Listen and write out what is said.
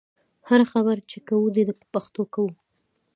هره خبره چې کوو دې په پښتو کوو.